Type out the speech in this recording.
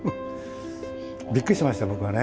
びっくりしましたよ、僕はね。